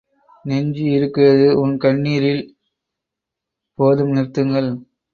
நெஞ்சு இருக்கிறது, உன் கண்ணிரில்! போதும், நிறுத்துங்கள்!